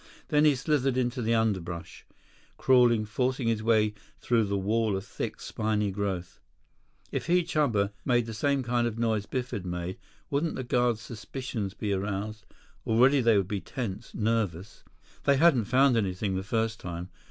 Then he slithered into the underbrush, crawling, forcing his way through the wall of thick, spiny growth. If he, Chuba, made the same kind of noise Biff had made, wouldn't the guards' suspicions be aroused? Already they would be tense, nervous. They hadn't found anything the first time.